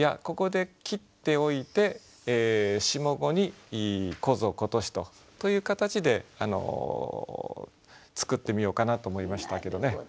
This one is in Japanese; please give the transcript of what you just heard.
ここで切っておいて下五に「去年今年」という形で作ってみようかなと思いましたけどね。